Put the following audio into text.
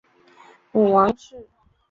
母王氏。